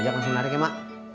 aja masih lari kema